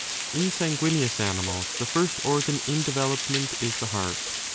In sanguineous animals the first organ in 4 development is the heart.